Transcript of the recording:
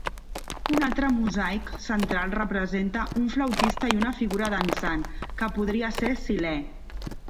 Un altre mosaic central representa un flautista i una figura dansant, que podria ser Silè.